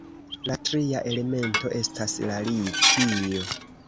La tria elemento estas la litio.